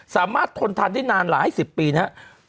สามารถทนทานได้นานหลายสิบปีนะ